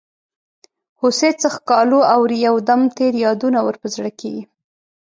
هوسۍ څه ښکالو اوري یو دم تېر یادونه ور په زړه کیږي.